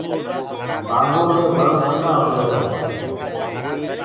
بگيچآ مي وڻ ٻڏآ هو رهيرآ هينٚ۔